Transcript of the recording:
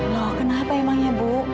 loh kenapa emangnya bu